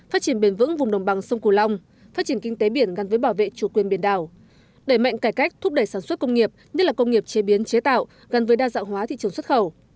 phát triển bền vững vùng đồng bằng sông cù long phát triển kinh tế biển gắn với bảo vệ chủ quyền biển đảo đẩy mạnh cải cách thúc đẩy sản xuất công nghiệp như là công nghiệp chế biến chế tạo gắn với đa dạng hóa thị trường xuất khẩu